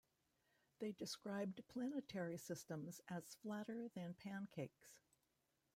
They described planetary systems as flatter than pancakes.